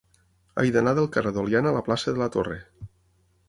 He d'anar del carrer d'Oliana a la plaça de la Torre.